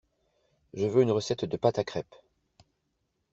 Je veux une recette de pâte à crêpes